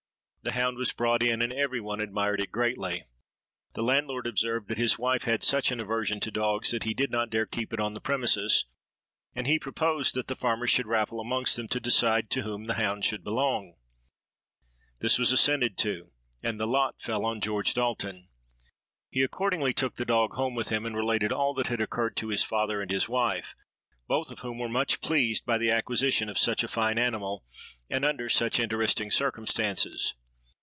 The hound was brought in, and every one admired it greatly. The landlord observed that his wife had such an aversion to dogs, he did not dare keep it on the premises; and he proposed that the farmers should raffle amongst them to decide to whom the hound should belong. This was assented to; and the lot fell on George Dalton. He accordingly took the dog home with him, and related all that had occurred to his father and his wife, both of whom were much pleased by the acquisition of such a fine animal, and under such interesting circumstances.